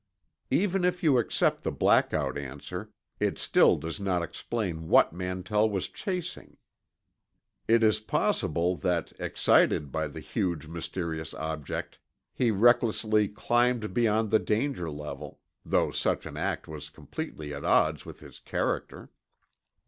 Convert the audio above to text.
Even if you accept the blackout answer, it still does not explain what Mantell was chasing. it is possible that, excited by the huge, mysterious object, he recklessly climbed beyond the danger level, though such an act was completely at odds with his character.